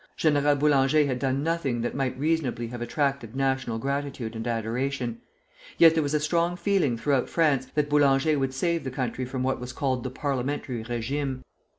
General Boulanger had done nothing that might reasonably have attracted national gratitude and adoration. Yet there was a strong feeling throughout France that Boulanger would save the country from what was called the Parliamentary régime.